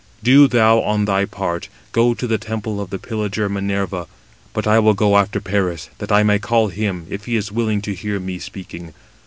Do thou, on thy part, go to the temple of the pillager Minerva; but I will go after Paris, that I may call him, if he is willing to hear me speaking.